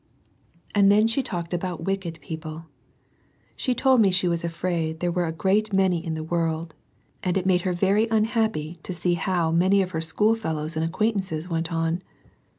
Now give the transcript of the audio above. And then she talked about wicked people. She told me she was afraid there were a great many in the world, and it made her very unhappy to see how many of her school fellows and acquaintances went on.